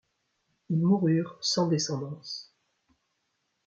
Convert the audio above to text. Ils moururent sans descendance.